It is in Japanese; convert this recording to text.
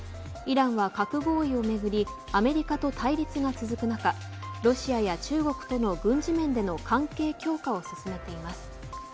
イランは核合意をめぐりアメリカと対立が続く中ロシアや中国との軍事面での関係強化を進めています。